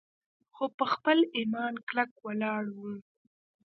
خو پۀ خپل ايمان کلک ولاړ وو